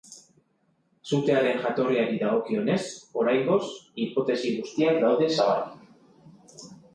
Sutearen jatorriari dagokionez, oraingoz, hipotesi guztiak daude zabalik.